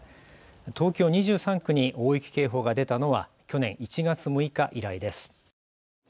東京２３区に大雪警報が出たのは去年１月６日以来です。